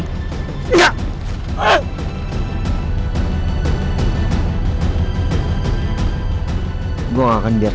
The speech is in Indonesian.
tidak nanti mati